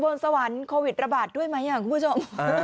สวรรค์โควิดระบาดด้วยไหมคุณผู้ชม